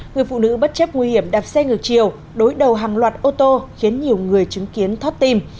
người phụ nữ bất chấp nguy hiểm đạp xe ngược chiều đối đầu hàng loạt ô tô khiến nhiều người chứng kiến thót tim